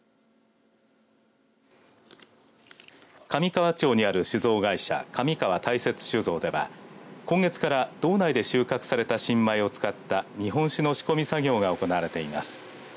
大雪酒造では今月から道内で収穫された新米を使った日本酒の仕込み作業が行われています。